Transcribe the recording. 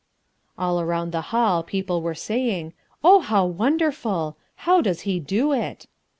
All around the hall people were saying, "Oh, how wonderful! How does he do it?"